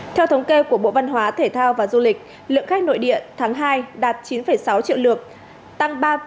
theo thống kê của bộ văn hóa thể thao và du lịch lượng khách nội địa tháng hai đạt chín sáu triệu lượt